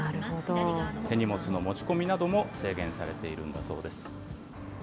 手荷物の持ち込みなども制限されているんだそうです。